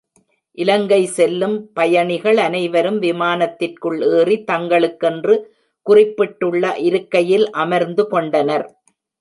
இலங்கை செல்லும் பயணிகள் அனைவரும் விமானத்திற்குள் ஏறி தங்களுக்கென்று குறிப்பிட்டுள்ள இருக்கையில் அமர்ந்து கொண்டனர்.